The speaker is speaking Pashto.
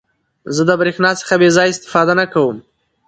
زه د برېښنا څخه بې ځایه استفاده نه کوم.